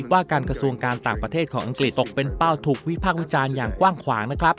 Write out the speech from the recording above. ว่าการกระทรวงการต่างประเทศของอังกฤษตกเป็นเป้าถูกวิพากษ์วิจารณ์อย่างกว้างขวางนะครับ